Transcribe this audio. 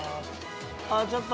ああちょっと。